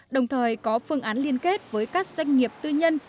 đồng thời có phương án liên kết với các doanh nghiệp tư nhân